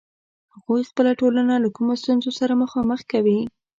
هغوی خپله ټولنه له کومو ستونزو سره مخامخ کوي.